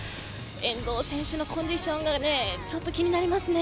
遠藤選手のコンディションがちょっと気になりますね。